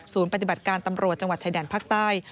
ปฏิบัติการตำรวจจังหวัดชายแดนภาคใต้